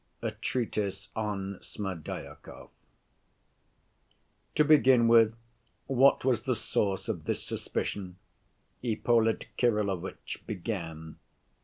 A Treatise On Smerdyakov "To begin with, what was the source of this suspicion?" (Ippolit Kirillovitch began.)